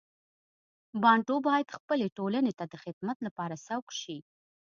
بانټو باید خپلې ټولنې ته د خدمت لپاره سوق شي.